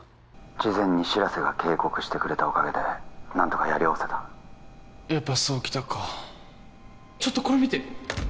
事前に白瀬が警告してくれたおかげで何とかやりおおせたやっぱそう来たかちょっとこれ見て